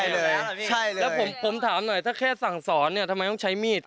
แล้วผมถามหน่อยถ้าแค่สั่งสอนเนี่ยทำไมต้องใช้มีด